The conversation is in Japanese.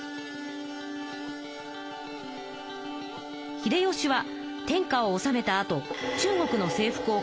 秀吉は天下をおさめたあと中国の征服を考え